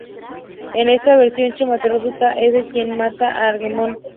En esta versión cinematográfica, es ella quien mata a Agamenón.